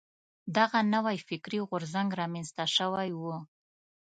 دغه نوی فکري غورځنګ را منځته شوی و.